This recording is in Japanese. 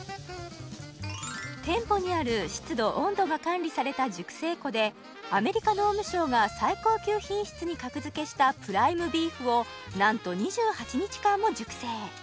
店舗にある湿度・温度が管理された熟成庫でアメリカ農務省が最高級品質に格付けしたプライムビーフをなんと２８日間も熟成